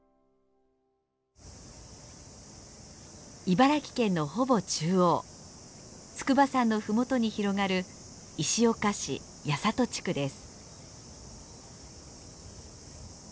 茨城県のほぼ中央筑波山の麓に広がる石岡市八郷地区です。